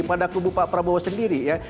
pada kubu pak prabowo sendiri ya